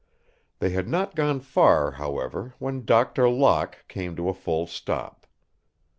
They had not gone far, however, when Doctor Locke came to a full stop.